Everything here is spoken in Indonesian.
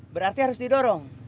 berarti harus didorong